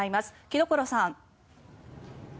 城所さん。